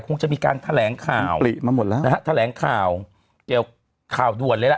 คงจะมีการแถลงข่าวเดี๋ยวข่าวด่วนเลยละ